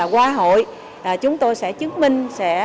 qua hội chúng tôi sẽ chứng minh